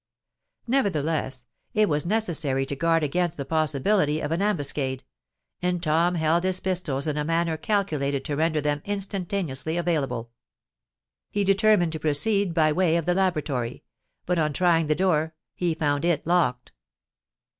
Nevertheless, it was necessary to guard against the possibility of an ambuscade; and Tom held his pistols in a manner calculated to render them instantaneously available. He determined to proceed by way of the laboratory; but, on trying the door, he found it locked.